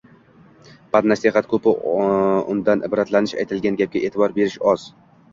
Pand-nasihat ko‘p-u, undan ibratlanish, aytilgan gapga e’tibor berish oz.